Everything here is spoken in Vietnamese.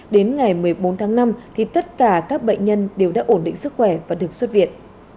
đến ngày một mươi bốn tháng năm tất cả các bệnh nhân đều đã ổn định sức khỏe và được xuất viện